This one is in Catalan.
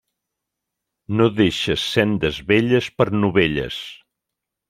No deixes sendes velles per novelles.